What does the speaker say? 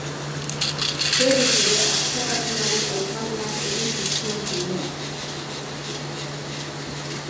Berriz ere askatasunari aipamenak egin zizkion filmean.